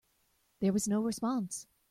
There was no response.